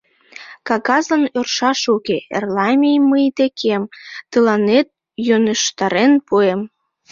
Кагазлан ӧршаш уке, эрла мий мый декем, тыланет йӧнештарен пуэм.